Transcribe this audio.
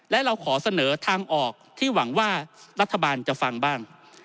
และเราขอเสนอทางออกที่หวังว่ารัฐบาลจะฟังบ้าง